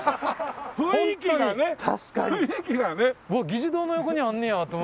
「議事堂の横にあんねや」と思って。